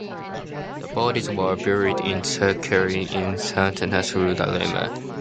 The bodies were buried in secrecy in cemeteries throughout Lima.